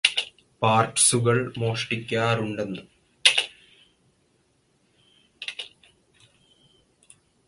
പാര്ട്സുകള് മോഷ്ടിക്കാറുണ്ടന്ന്